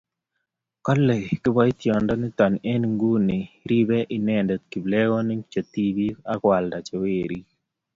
kale kabotindet nito eng' nguni ribei inendet kiplekonik che tibik aku alda che werik